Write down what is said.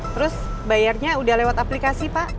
terus bayarnya udah lewat aplikasi pak